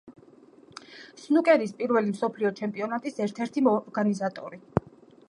სნუკერის პირველი მსოფლიო ჩემპიონატის ერთ-ერთი ორგანიზატორი.